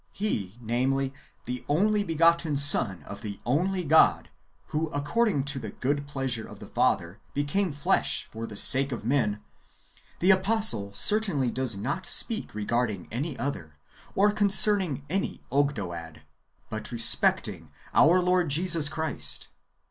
He, namely, the only begotten Son of the only God, who, according to the good pleasure of the Father, became flesh for the sake of men, the apostle certainly does not speak regarding any other, or concerning any Ogdoad, but respecting our Lord Jesus 40 IRENuEUS AGAINST HERESIES. [Book i. Christ.